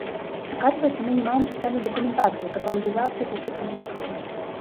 Аказваецца, мы не маем сістэмнай дакументацыі, каталагізацыі такіх аб'ектаў.